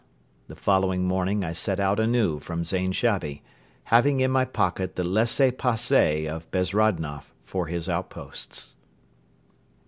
The following morning I set out anew from Zain Shabi, having in my pocket the laissez passer of Bezrodnoff for his outposts.